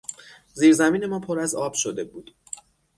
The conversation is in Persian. زیرزمین ما پر از آب شده بود.